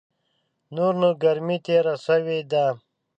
نور نو ګرمي تېره سوې ده .